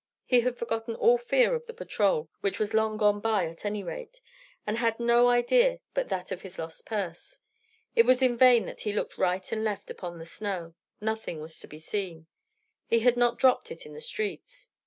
He had forgotten all fear of the patrol, which was long gone by at any rate, and had no idea but that of his lost purse. It was in vain that he looked right and left upon the snow; nothing was to be seen. He had not dropped it in the streets.